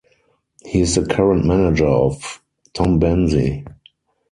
He is the current manager of Tombense.